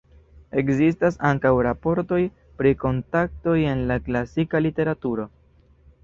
Ekzistas ankaŭ raportoj pri kontaktoj en la klasika literaturo.